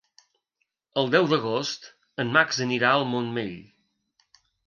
El deu d'agost en Max anirà al Montmell.